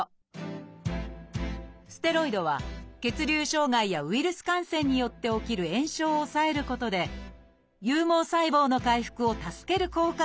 ステロイドは血流障害やウイルス感染によって起きる炎症を抑えることで有毛細胞の回復を助ける効果があると考えられています。